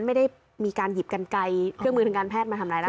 ไม่ได้มีการหยิบกันไกลเครื่องมือทางการแพทย์มาทำร้ายร่างกาย